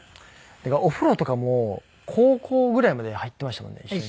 お風呂とかも高校ぐらいまで入っていましたもんね一緒に。